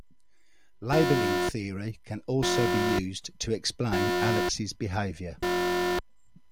Labeling theory can also be used to explain Alex's behavior.